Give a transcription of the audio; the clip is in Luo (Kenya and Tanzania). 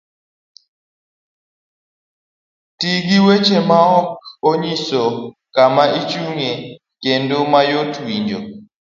Ti gi weche maok onyiso kama ichung'ye kendo mayot winjo.